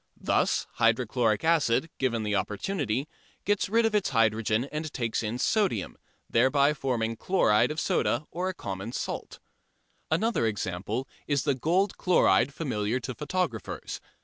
Thus hydrochloric acid, given the opportunity, gets rid of its hydrogen and takes in sodium, thereby forming chloride of soda or common salt. Another example is the gold chloride familiar to photographers.